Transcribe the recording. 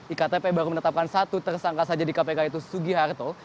iktp baru menetapkan satu tersangka saja di kpk yaitu sugi hartol